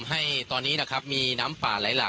ตอนนี้ผมอยู่ในพื้นที่อำเภอโขงเจียมจังหวัดอุบลราชธานีนะครับ